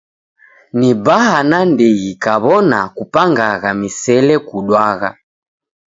Ni baa nandighi kaw'ona kupangagha misele kudwagha.